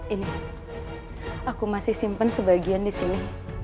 ini aku masih simpen sebagian di sini